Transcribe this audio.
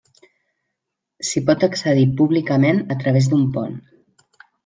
S'hi pot accedir públicament a través d'un pont.